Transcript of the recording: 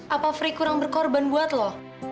apa fri kurang berkorban buat lo